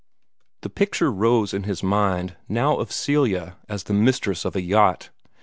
The picture rose in his mind now of Celia as the mistress of a yacht.